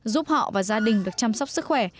giúp họ và gia đình được chăm sóc sức khỏe